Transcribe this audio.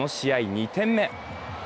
２点目。